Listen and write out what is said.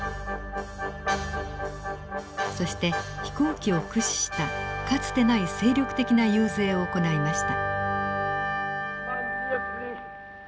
そして飛行機を駆使したかつてない精力的な遊説を行いました。